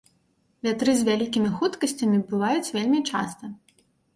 Вятры з вялікімі хуткасцямі бываюць вельмі часта.